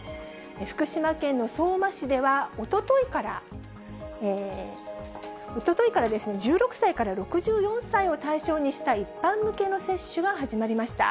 福島県の相馬市では、おとといから、１６歳から６４歳を対象にした一般向けの接種が始まりました。